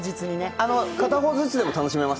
片方ずつでも楽しめます。